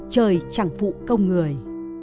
trời chẳng phụ công người